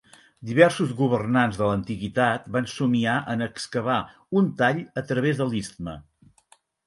Diversos governants de l'antiguitat van somiar en excavar un tall a través de l'istme.